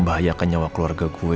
membahayakan nyawa keluarga kue